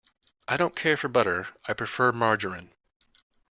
I don’t care for butter; I prefer margarine.